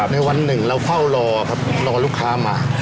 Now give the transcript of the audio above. ในวันหนึ่งเราเฝ้ารอลูกค้ามา